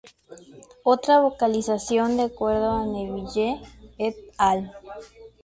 Otras vocalizaciones de cuerdo a Neville "et al.